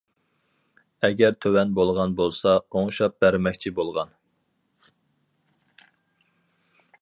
ئەگەر تۆۋەن بولغان بولسا ئوڭشاپ بەرمەكچى بولغان.